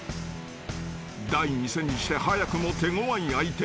［第２戦にして早くも手ごわい相手］